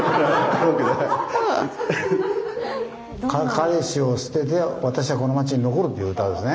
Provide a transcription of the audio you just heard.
彼氏を捨てて私はこの町に残るっていう歌ですね。